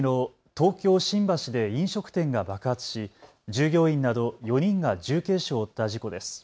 東京新橋で飲食店が爆発し従業員など４人が重軽傷を負った事故です。